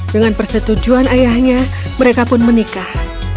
dengan persetujuan ayahnya mereka pun menikah